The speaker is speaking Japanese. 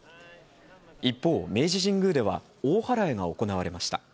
一方、明治神宮では、大祓が行われました。